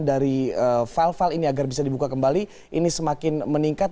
dari file file ini agar bisa dibuka kembali ini semakin meningkat